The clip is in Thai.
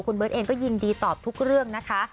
คุณเบิร์ตเองก็ยินดีตอบทุกเรื่องนะคะ